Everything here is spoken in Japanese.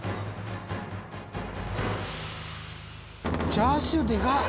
チャーシューでかっ！